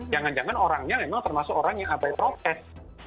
jangan jangan orangnya memang termasuk orang yang abai prokes